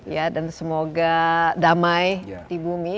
ya dan semoga damai di bumi